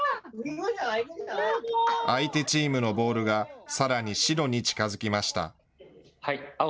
相手チームのボールがさらに白に近づきました。